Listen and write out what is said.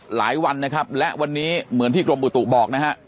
หลายวันนะครับและวันนี้เหมือนที่กรมอุตุบอกนะฮะ